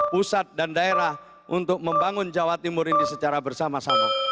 pusat dan daerah untuk membangun jawa timur ini secara bersama sama